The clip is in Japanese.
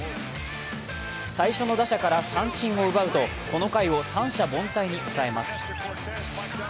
最初の打者から三振を奪うと、この回を三者凡退に抑えます。